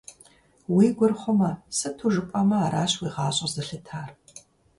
Уи гур хъумэ, сыту жыпӀэмэ аращ уи гъащӀэр зэлъытар.